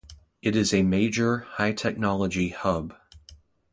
It is a major high-technology hub.